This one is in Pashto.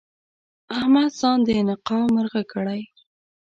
احمد ځان د انقا مرغه کړی؛